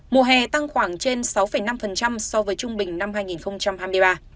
mùa hè tăng khoảng trên sáu năm so với trung bình năm hai nghìn hai mươi ba